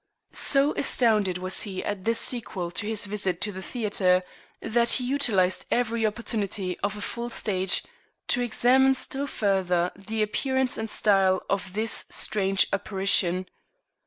So astounded was he at this sequel to his visit to the theatre, that he utilized every opportunity of a full stage to examine still further the appearance and style of this strange apparition.